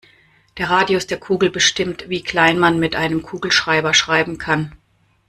Der Radius der Kugel bestimmt, wie klein man mit einem Kugelschreiber schreiben kann.